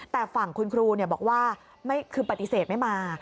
แต่ฝั่งคุณครูบอกว่าคือปฏิเสธไม่มา